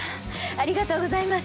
ありがとうございます